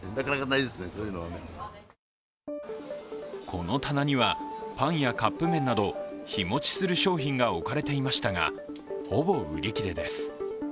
この棚にはパンやカップ麺など日持ちする商品が置かれていましたが、ほぼ売り切れです。